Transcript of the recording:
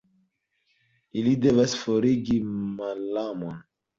Ili devas forigi malamon.